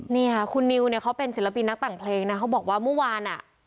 นี่ค่ะคุณนิวเนี่ยเขาเป็นศิลปินนักแต่งเพลงนะเขาบอกว่าเมื่อวานอ่ะ